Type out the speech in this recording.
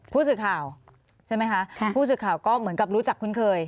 ผู้สื่อข่าวใช่ไหมคะผู้สื่อข่าวก็เหมือนกับรู้จักคุ้นเคย